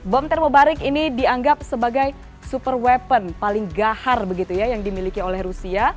bom termobarik ini dianggap sebagai super weapon paling gahar begitu ya yang dimiliki oleh rusia